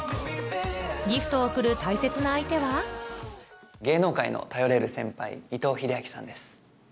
ギフトを贈る大切な相手は芸能界の頼れる先輩伊藤英明さんです。